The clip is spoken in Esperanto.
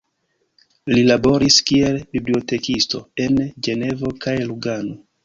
Li laboris kiel bibliotekisto en Ĝenevo kaj Lugano.